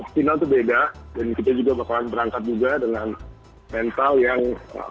final itu beda dan kita juga bakalan berangkat juga dengan mental yang